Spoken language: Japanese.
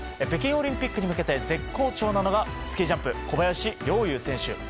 北京オリンピックに向けて絶好調なのがスキージャンプ小林陵侑選手。